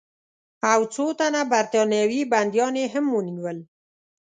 او څو تنه برټانوي بندیان یې هم ونیول.